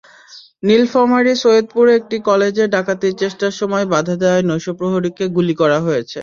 নীলফামারী সৈয়দপুরে একটি কলেজে ডাকাতির চেষ্টার সময় বাধা দেওয়ায় নৈশপ্রহরীকে গুলি করা হয়েছে।